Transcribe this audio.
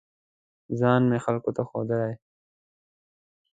ځان مې خلکو ته ښودلی